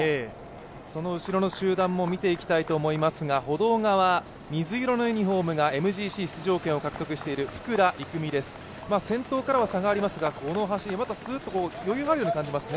その後ろの集団も見ていきたいと思いますが歩道側、水色のユニフォームがＭＧＣ出場権を獲得している福良郁美です、先頭からは差がありますがこの走り、またスーッと余裕があるような感じがしますね？